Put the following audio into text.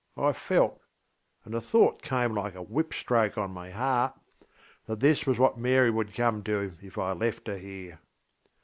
I feltŌĆöand the thought came like a whip stroke on my heartŌĆö that this was what Mary would come to if I left her here.